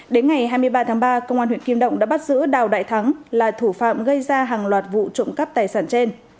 đến ngày hai mươi ba tháng ba công an huyện kim động đã bắt giữ đào đại thắng là thủ phạm gây ra hàng loạt vụ trộm cắp tài sản trên